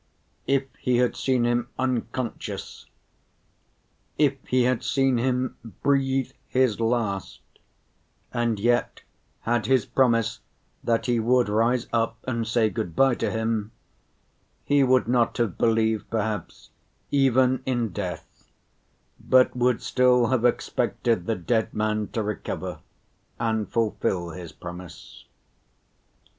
If he had seen him unconscious, if he had seen him breathe his last, and yet had his promise that he would rise up and say good‐by to him, he would not have believed perhaps even in death, but would still have expected the dead man to recover and fulfill his promise.